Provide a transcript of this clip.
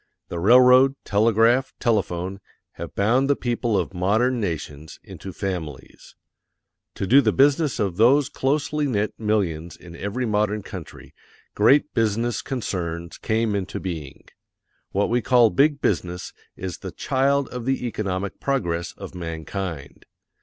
The railroad, telegraph, telephone_ have bound the people of MODERN NATIONS into FAMILIES. To do the business of these closely knit millions in every modern country GREAT BUSINESS CONCERNS CAME INTO BEING. What we call big business is the CHILD OF THE ECONOMIC PROGRESS OF MANKIND.